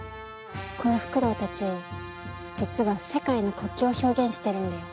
このフクロウたち実は世界の国旗を表現してるんだよ。